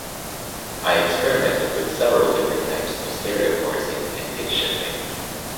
I experimented with several different types of stereo chorusing and pitch-shifting.